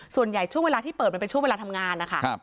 ส่วนใหญ่ช่วงเวลาที่เปิดมันเป็นช่วงเวลาทำงานนะคะ